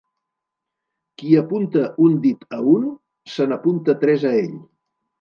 Qui apunta un dit a un, se n'apunta tres a ell.